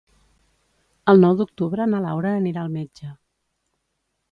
El nou d'octubre na Laura anirà al metge.